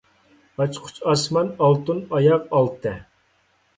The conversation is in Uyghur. ئاچقۇچ، ئاسمان، ئالتۇن، ئاياغ، ئالتە.